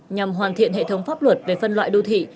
nhằm hoàn thiện hệ thống pháp luật về phân loại đô thị